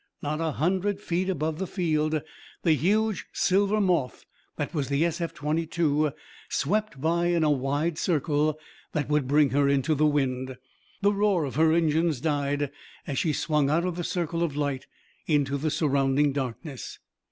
Not a hundred feet above the field, the huge silver moth that was the SF 22 swept by in a wide circle that would bring her into the wind. The roar of her engines died as she swung out of the circle of light into the surrounding darkness.